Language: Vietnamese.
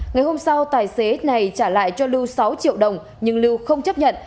ngày hôm sau tài xế này trả lại cho lưu sáu triệu đồng nhưng lưu không chấp nhận